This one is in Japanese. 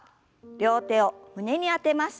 両手を胸に当てます。